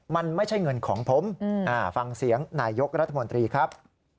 มันไม่ใช่เงินของผมฟังเสียงนายยกรัฐมนตรีครับ